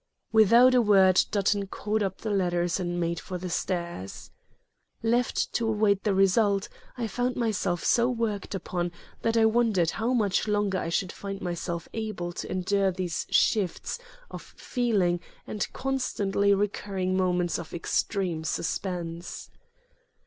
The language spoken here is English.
Without a word Dutton caught up the letters and made for the stairs. Left to await the result, I found myself so worked upon that I wondered how much longer I should find myself able to endure these shifts of feeling and constantly recurring moments of extreme suspense.